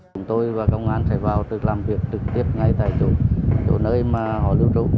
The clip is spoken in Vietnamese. chúng tôi và công an sẽ vào được làm việc trực tiếp ngay tại chỗ chỗ nơi mà họ lưu trú